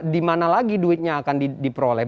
di mana lagi duitnya akan diperoleh